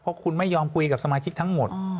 เพราะคุณไม่ยอมคุยกับสมาชิกทั้งหมด